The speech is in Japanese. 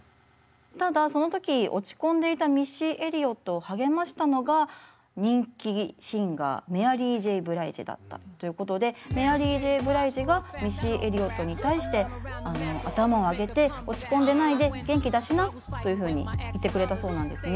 ただその時落ち込んでいたミッシー・エリオットを励ましたのが人気シンガーメアリー・Ｊ．ブライジだったということでメアリー・Ｊ．ブライジがミッシー・エリオットに対して頭を上げて落ち込んでないで元気出しなというふうに言ってくれたそうなんですね。